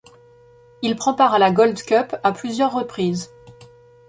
Il prend part à la Gold Cup à plusieurs reprises.